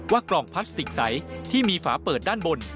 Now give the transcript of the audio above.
กล่องพลาสติกใสที่มีฝาเปิดด้านบน